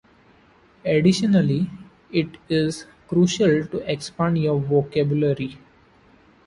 Additionally, it is crucial to expand your vocabulary.